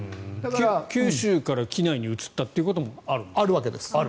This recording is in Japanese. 九州から畿内に移ったということもあるんですね。